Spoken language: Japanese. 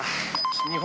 日本